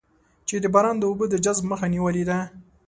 چې د باران د اوبو د جذب مخه یې نېولې ده.